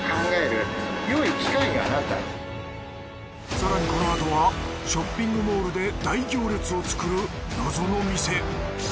更にこのあとはショッピングモールで大行列を作る謎の店。